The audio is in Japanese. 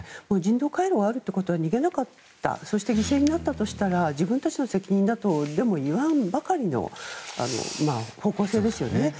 人道回廊があるということは逃げなかったそして、犠牲になったとしたら自分たちの責任だと言わんばかりの方向性ですよね。